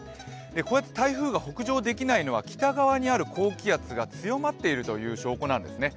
こうやって台風が北上できないのは北側にある高気圧が強まっているという証拠なんですね。